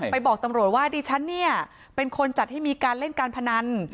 บอกตำรวจว่าดิฉันเนี่ยเป็นคนจัดให้มีการเล่นการพนัน